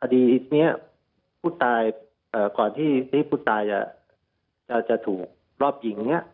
คดีอีกนี้ผู้ตายเอ่อก่อนที่ที่ผู้ตายจะจะถูกรอบยิงเนี้ย